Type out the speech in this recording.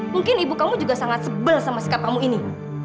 mungkin ibu kamu juga sangat sebel sama sikap kamu ini